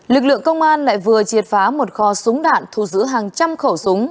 lực lượng công an lại vừa triệt phá một kho súng đạn thu giữ hàng trăm khẩu súng